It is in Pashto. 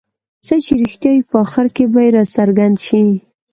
څه چې رښتیا وي په اخر کې به یې راڅرګند شي.